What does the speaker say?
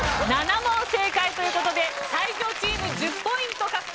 ７問正解という事で才女チーム１０ポイント獲得です。